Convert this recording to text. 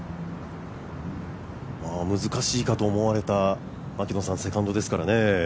難しいかと思われたセカンドですからね。